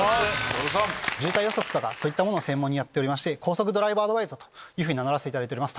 渋滞予測とかそういったものを専門にやっておりまして高速道路ドライブアドバイザーと名乗らせていただいております